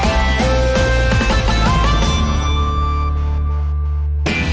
อันนี้รวมในกลางอดีต